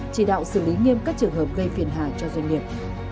chỉ đạo xử lý nghiêm các trường hợp gây phiền hà cho doanh nghiệp